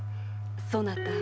そなた